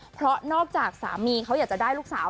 เพราะนอกจากสามีเขาอยากจะได้ลูกสาว